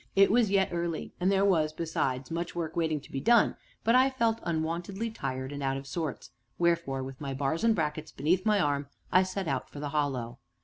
It was yet early, and there was, besides, much work waiting to be done, but I felt unwontedly tired and out of sorts, wherefore, with my bars and brackets beneath my arm, I set out for the Hollow.